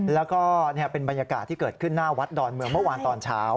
แล้วก็เป็นบรรยากาศที่เกิดขึ้นหน้าวัดดอนเมืองเมื่อวานตอนเช้า